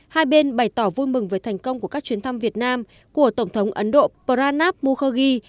hai bên bày tỏ vui mừng về thành công của các chuyến thăm việt nam của tổng thống ấn độ pranab mukhogi